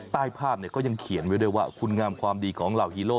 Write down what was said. ใต้ภาพก็ยังเขียนไว้ด้วยว่าคุณงามความดีของเหล่าฮีโร่